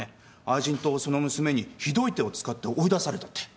愛人とその娘にひどい手を使って追い出されたって。